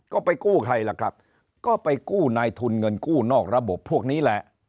ก็ไปกู้ใครล่ะครับก็ไปกู้นายทุนเงินกู้นอกระบบพวกนี้แหละ